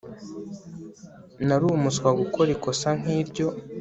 Nari umuswa gukora ikosa nkiryo